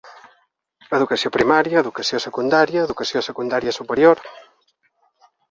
Educació primària, educació secundària, educació secundària superior.